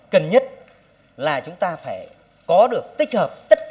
cần nhất là chúng ta phải có được tích hợp tất cả các đồng bào dân tộc thiểu số